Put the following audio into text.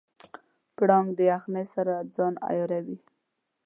پړانګ د یخنۍ سره ځان عیاروي.